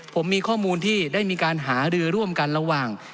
ผมมีข้อมูลที่ได้มีการหารือร่วมกันระหว่าง